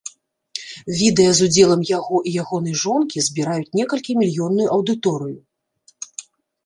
Відэа з удзелам яго і ягонай жонкі збіраюць некалькі мільённую аўдыторыю.